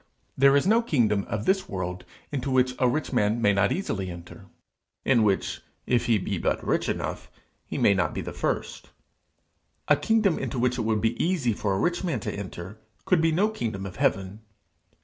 There is no kingdom of this world into which a rich man may not easily enter in which, if he be but rich enough, he may not be the first: a kingdom into which it would be easy for a rich man to enter could be no kingdom of heaven.